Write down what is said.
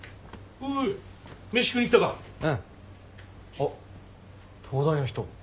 あっ東大の人。